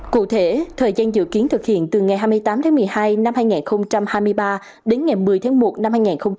cụ thể thời gian dự kiến thực hiện từ ngày hai mươi tám tháng một mươi hai năm hai nghìn hai mươi ba đến ngày một mươi tháng một năm hai nghìn hai mươi bốn